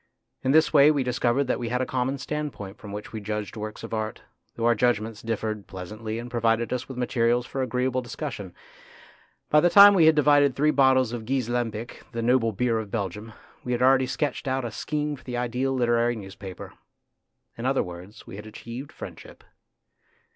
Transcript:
In this way we dis covered that we had a common standpoint from which we judged works of art, though 18 258 THE GREAT MAN our judgments differed pleasantly and pro vided us with materials for agreeable discus sion. By the time we had divided three bottles of Gueze Lambic, the noble beer of Belgium, we had already sketched out a scheme for the ideal literary newspaper. In other words, we had achieved friendship.